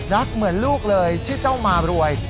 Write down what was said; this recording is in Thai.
เหมือนลูกเลยชื่อเจ้ามารวย